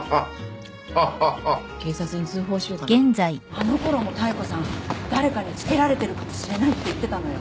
あのころも妙子さん「誰かにつけられてるかもしれない」って言ってたのよ。